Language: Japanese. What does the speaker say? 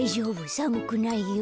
さむくないよ。